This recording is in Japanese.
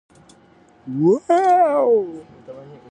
仰いで天文を見、うつむいて地理を知ること。